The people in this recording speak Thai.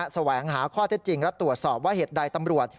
แสวงหาข้อเท็จจริงและตรวจสอบว่าเหตุใดตำรวจ